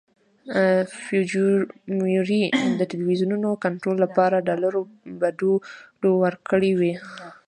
فوجیموري د ټلویزیونونو کنټرول لپاره ډالرو بډو ورکړي وو.